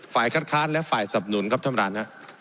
ฝ่ายคัดค้านและฝ่ายสับหนุนครับท่านประธาน